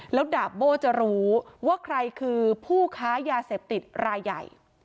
แล้วดาบโบ้จะรู้ว่าใครคือผู้ค้ายาเสพติดรายใหญ่